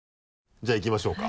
じゃあいきましょうか。